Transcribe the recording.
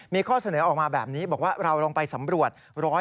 มีข้อเสนอออกมาแบบนี้บอกว่าเราลองไปสำรวจ